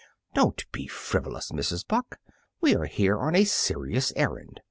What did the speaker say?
"Don't be frivolous, Mrs. Buck. We are here on a serious errand.